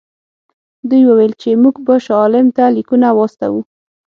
دوی وویل چې موږ به شاه عالم ته لیکونه واستوو.